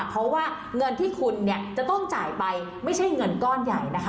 เพราะว่าเงินที่คุณเนี่ยจะต้องจ่ายไปไม่ใช่เงินก้อนใหญ่นะคะ